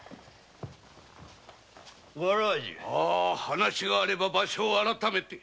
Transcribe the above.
話があれば場所を改めて。